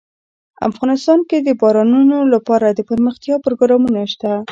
افغانستان کې د بارانونو لپاره دپرمختیا پروګرامونه شته.